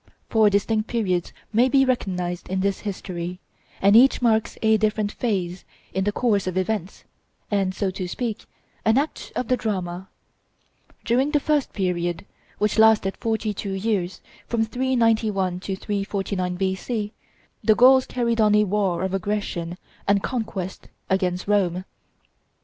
Four distinct periods may be recognized in this history; and each marks a different phase in the course of events, and, so to speak, an act of the drama. During the first period, which lasted forty two years, from 391 to 349 B.C., the Gauls carried on a war of aggression and conquest against Rome.